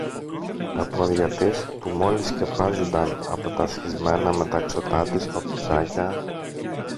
Τα πόδια της που μόλις σκεπάζουνταν από τα σχισμένα μεταξωτά της παπουτσάκια